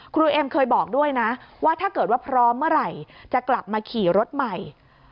เอ็มเคยบอกด้วยนะว่าถ้าเกิดว่าพร้อมเมื่อไหร่จะกลับมาขี่รถใหม่